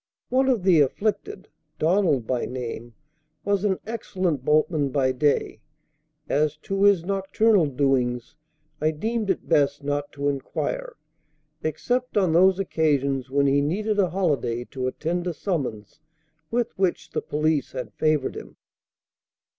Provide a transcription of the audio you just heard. One of the afflicted (Donald by name) was an excellent boatman by day; as to his nocturnal doings I deemed it best not to inquire, except on those occasions when he needed a holiday to attend a summons with which the police had favoured him.